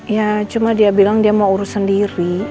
ya cuma dia bilang dia mau urus sendiri